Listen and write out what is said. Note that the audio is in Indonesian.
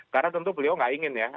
karena tentu beliau nggak ingin ya